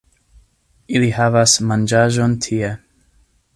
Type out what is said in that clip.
Ili havas manĝaĵon tie